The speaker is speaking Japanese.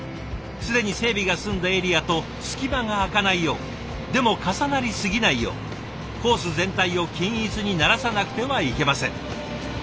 既に整備が済んだエリアと隙間が空かないようでも重なりすぎないようコース全体を均一にならさなくてはいけません。